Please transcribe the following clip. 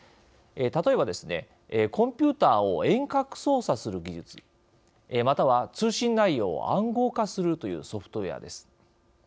例えばですね、コンピューターを遠隔操作する技術または、通信内容を暗号化するというソフトウェアです。